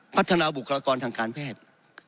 พัฒนาบุคลากรทางการแพทย์